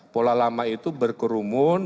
pola lama itu berkerumun